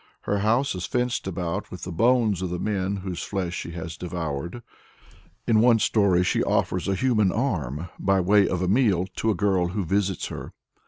Her house is fenced about with the bones of the men whose flesh she has devoured; in one story she offers a human arm, by way of a meal, to a girl who visits her.